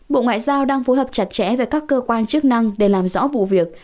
bộ ngoại giao đang phối hợp chặt chẽ với các cơ quan chức năng để làm rõ vụ việc